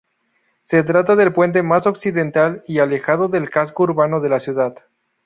Se trata del puente más occidental y alejado del casco urbano de la ciudad.